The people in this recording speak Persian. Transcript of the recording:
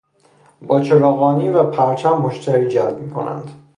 با چراغانی و پرچم مشتری جلب میکنند.